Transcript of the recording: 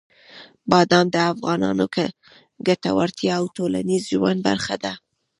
بادام د افغانانو د ګټورتیا او ټولنیز ژوند برخه ده.